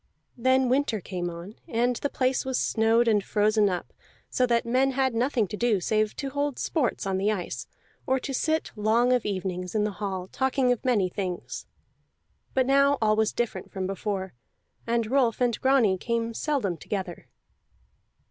Then winter came on, and the place was snowed and frozen up, so that men had nothing to do save to hold sports on the ice, or to sit long of evenings in the hall, talking of many things. But now all was different from before, and Rolf and Grani came seldom together.